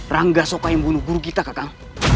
rangga soka yang membunuh guru kita kakak